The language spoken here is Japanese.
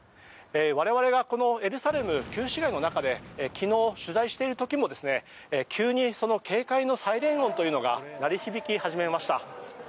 我々がこのエルサレム旧市街の中で昨日取材している時も急にその警戒のサイレン音というのが鳴り響き始めました。